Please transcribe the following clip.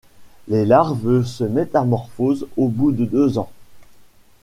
Les larves se métamorphosent au bout de deux ans.